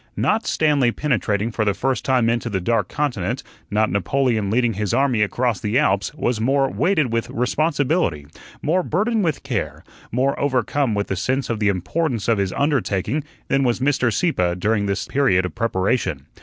Not Stanley penetrating for the first time into the Dark Continent, not Napoleon leading his army across the Alps, was more weighted with responsibility, more burdened with care, more overcome with the sense of the importance of his undertaking, than was Mr. Sieppe during this period of preparation.